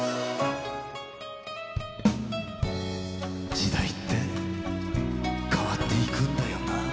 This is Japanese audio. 「時代って変わって行くんだよなぁ」